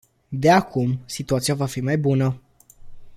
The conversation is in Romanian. De acum, situația va fi mai bună.